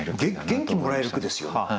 元気もらえる句ですよね。